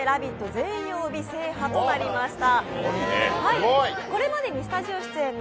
全曜日制覇となりました。